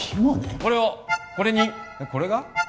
これをこれにこれが？